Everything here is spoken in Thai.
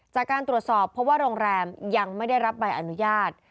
จากการตรวจสอบเพราะว่าโรงแรมยังไม่ได้รับใบอนุญาต